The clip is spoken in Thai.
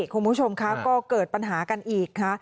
คุณผู้ชมคะก็เกิดปัญหากันอีกค่ะ